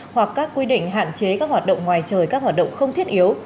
hoặc các quy định hạn chế các hoạt động ngoài trời các hoạt động không thiết yếu